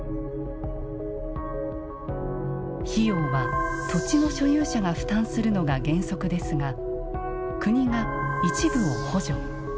費用は土地の所有者が負担するのが原則ですが国が一部を補助。